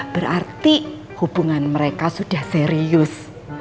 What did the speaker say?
berarti hubungan mereka sudah serius